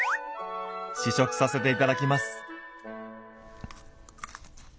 試食させていただきます。